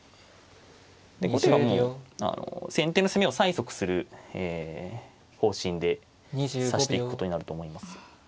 後手がもう先手の攻めを催促する方針で指していくことになると思います。